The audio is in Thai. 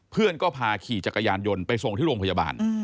เพื่อนก็พาขี่จักรยานยนต์ไปส่งที่โรงพยาบาล